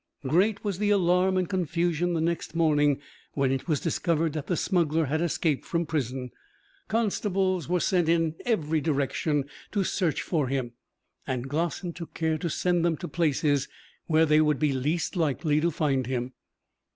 Great was the alarm and confusion the next morning when it was discovered that the smuggler had escaped from prison. Constables were sent out in every direction to search for him, and Glossin took care to send them to places where they would be least likely to find him.